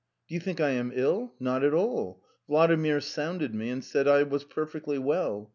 ' You think I am ill ? No a bit. Vladimir sounded me and says I am perfectly healthy.